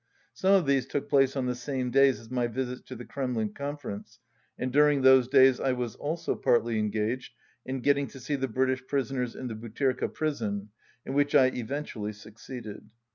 Some of these took place on the same days as my visits to the Kremlin conference, and during those days I was also partly engaged in getting to see the British prisoners in the Butyrka prison, in which I eventually suc ceeded.